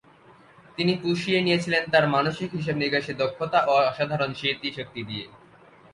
তিনি পুষিয়ে নিয়েছিলেন তার মানসিক হিসাবনিকাশে দক্ষতা ও অসাধারণ স্মৃতিশক্তি দিয়ে।